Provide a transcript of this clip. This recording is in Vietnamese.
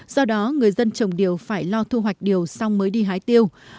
do đó người dân trồng tiêu phải lo thu hoạch tiêu xong mới đi hái tiêu